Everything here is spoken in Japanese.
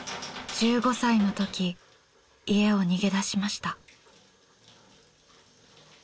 １５歳の時家を逃げ出しました。